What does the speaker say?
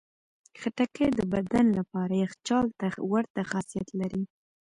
خټکی د بدن لپاره یخچال ته ورته خاصیت لري.